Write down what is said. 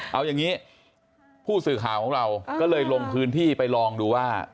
เอาอย่างนี้ผู้สื่อข่าวของเราก็เลยลงพื้นที่ไปลองดูว่า